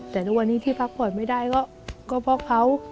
แต่ทุกวันนี้ที่พักผ่อนไม่ได้ก็เพราะเขา